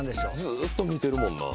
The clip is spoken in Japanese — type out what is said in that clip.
ずーっと見てるもんな。